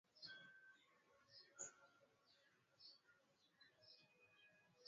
Wameendelea kushiriki katika utekelezaji wa program mbalimbali za masuala ya umaskini